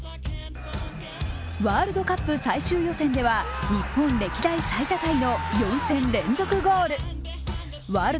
ワールドカップ最終予選では日本歴代最多タイの４戦連続ゴール